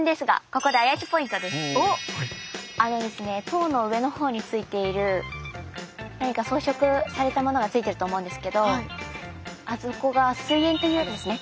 塔の上の方についている何か装飾されたものがついてると思うんですけどあそこが「水煙」というんですね。